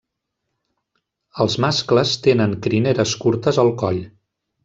Els mascles tenen crineres curtes al coll.